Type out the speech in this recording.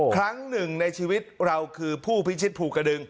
ครั้งหนึ่งในชีวิตเราคือผู้พิชิตภูกระดึง